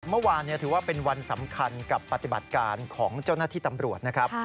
เมื่อวานถือว่าเป็นวันสำคัญกับปฏิบัติการของเจ้าหน้าที่ตำรวจนะครับ